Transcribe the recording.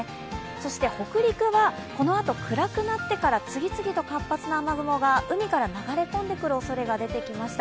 そして北陸はこのあと暗くなってから次々と活発な雨雲が海から流れ込んでくるおそれが出てきました。